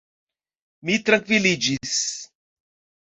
Mi trankviliĝis.